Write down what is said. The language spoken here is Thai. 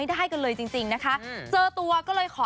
โอ้โฮขอขอขอ